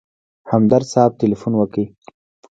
همدرد صاحب تیلفون وکړ.